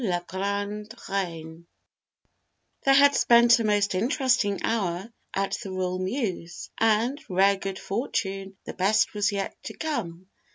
[Illustration: 9127] They had spent a most interesting hour at the Royal Mews, and, rare good fortune, the best was yet to come.